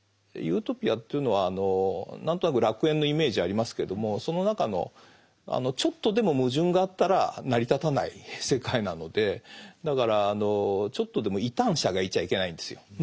ユートピアというのは何となく楽園のイメージありますけれどもその中のちょっとでも矛盾があったら成り立たない世界なのでだからあのちょっとでも異端者がいちゃいけないんですよ